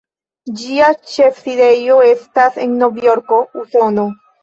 Ĝia ĉefsidejo estas en Novjorko, Usono.